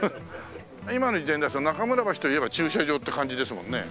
今の時点では中村橋といえば駐車場って感じですもんね